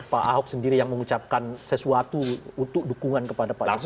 pak ahok sendiri yang mengucapkan sesuatu untuk dukungan kepada pak jokowi